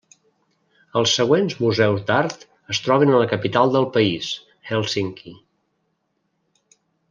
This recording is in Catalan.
Els següents museus d'art es troben a la capital del país, Hèlsinki.